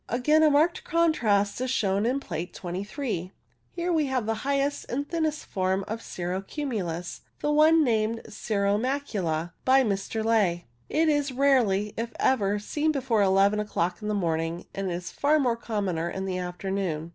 Again, a marked contrast is shown in Plate 23, Here we have the highest and thinnest form of cirro cumulus, the one named cirro macula by Mr. Ley. It is rarely, if ever, seen before eleven o'clock in the morning, and is far commoner in the after noon.